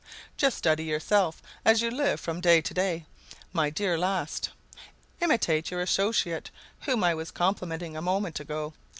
Just study yourself as you live from day to day, my dear Last. Imitate your associate whom I was complimenting a moment ago.